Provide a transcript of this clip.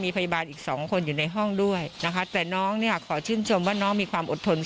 มีพยาบาลอีกสองคนอยู่ในห้องด้วยนะคะ